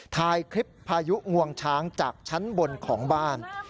ถ่ายคลิปพายุงวงช้างจากชั้นบนของบ้าน